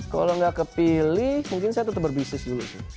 kalau nggak kepilih mungkin saya tetap berbisnis dulu sih